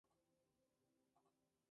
Las canciones del lado B de "Neu!